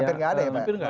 hampir tidak ada ya pak